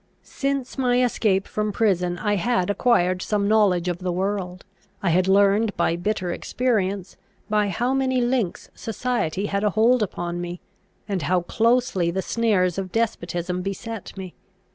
Since my escape from prison I had acquired some knowledge of the world; I had learned by bitter experience, by how many links society had a hold upon me, and how closely the snares of despotism beset me.